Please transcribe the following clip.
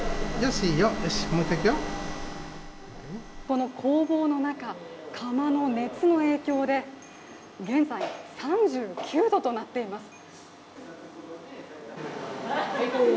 この工房の中、窯の熱の影響で現在、３９度となっています。